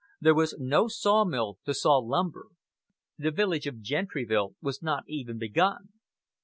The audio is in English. There was no sawmill to saw lumber. The village of Gentryville was not even begun.